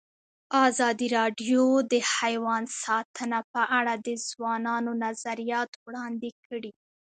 ازادي راډیو د حیوان ساتنه په اړه د ځوانانو نظریات وړاندې کړي.